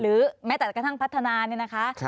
แม้แต่กระทั่งพัฒนาเนี่ยนะคะ